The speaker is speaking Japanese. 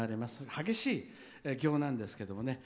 激しい行なんですけどね。